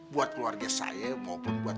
buat keluarga saya maupun buat